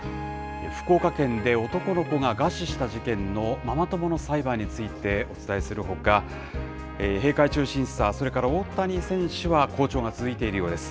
福岡県で男の子が餓死した事件のママ友の裁判についてお伝えするほか、閉会中審査、それから大谷選手は好調が続いているようです。